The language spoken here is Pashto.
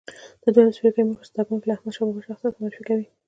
د دویم څپرکي موخې زده کوونکي له احمدشاه بابا شخصیت سره معرفي کوي.